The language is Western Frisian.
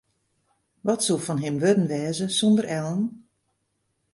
Wat soe fan him wurden wêze sonder Ellen?